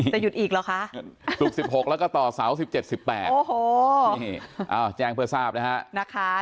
จะหยุดอีกเหรอคะศุกร์๑๖แล้วก็ต่อเสา๑๗๑๘โอ้โหนี่แจ้งเพื่อทราบนะฮะ